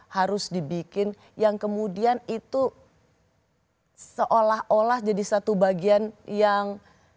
harus dibikin yang kemudian itu seolah olah jadi satu bagian yang